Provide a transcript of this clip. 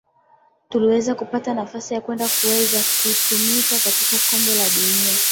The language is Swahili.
tuliweza kupata nafasi kwenda kuweza kutumika katika kombe la dunia